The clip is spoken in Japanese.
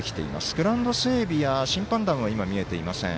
グラウンド整備や審判団は今、見えていません。